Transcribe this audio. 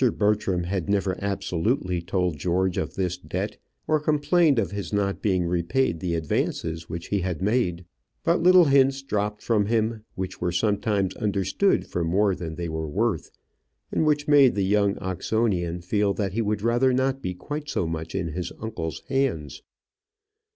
Bertram had never absolutely told George of this debt, or complained of his not being repaid the advances which he had made; but little hints dropped from him, which were sometimes understood for more than they were worth, and which made the young Oxonian feel that he would rather not be quite so much in his uncle's hands.